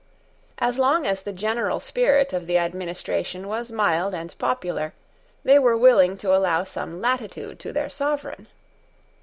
As long as the general spirit of the administration was mild and popular, they were willing to allow some latitude to their sovereign.